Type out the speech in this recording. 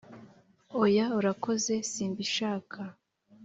oya, urakoze simbishaka.